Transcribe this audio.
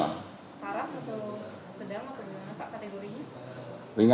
parah atau sedang atau apa kategorinya